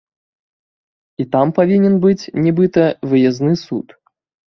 І там павінен быць, нібыта, выязны суд.